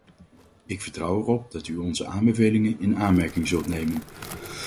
Ik vertrouw erop dat u onze aanbevelingen in aanmerking zult nemen.